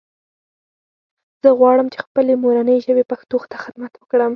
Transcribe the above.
زه غواړم چې خپلې مورنۍ ژبې پښتو ته خدمت وکړم